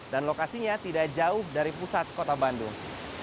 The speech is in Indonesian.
dan lokasinya tidak jauh dari pusat kota bandung